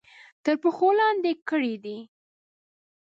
تر پښو لاندې کړي دي.